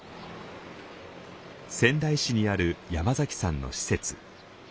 仙台市にある山崎さんの施設。